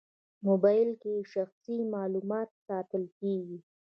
موبایل کې شخصي معلومات ساتل کېږي.